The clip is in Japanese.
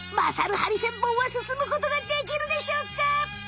ハリセンボンは進むことができるでしょうか！